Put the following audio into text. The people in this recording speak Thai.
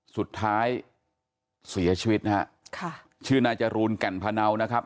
สุดท้ายเสียชีวิตนะฮะค่ะชื่อนายจรูนแก่นพะเนานะครับ